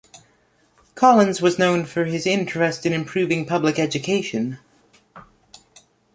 Collins was known for his interest in improving public education.